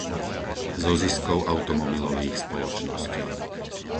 Zo ziskov automobilových spoločností.